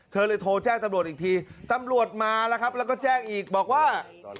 เธอเลยโทรแจ้งตำรวจอีกทีตำรวจมาแล้วครับแล้วก็แจ้งอีกบอกว่า